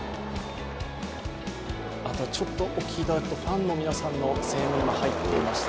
あとちょっとお聞きいただくとファンの皆さんの声援も入っていました。